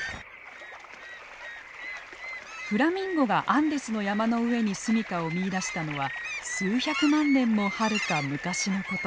フラミンゴがアンデスの山の上に住みかを見いだしたのは数百万年もはるか昔のこと。